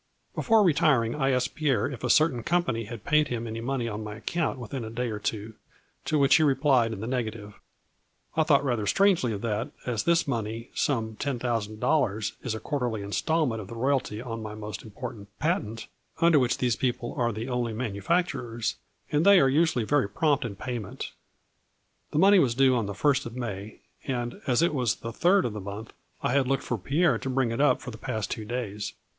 Before re tiring, I asked Pierre if a certain company had paid him any money on my account within a day or two, to which he replied in the negative. I thought rather strangely of that, as this money > A FLURRY IN DIAMONDS. 123 some $10,000 is a quarterly instalment of royalty on my most important patent under which these people are the only manufacturers, and they are usually very prompt in payment. The money was due on the first of May and, as it was the third of the month, I had looked for Pierre to bring it up for the past two days.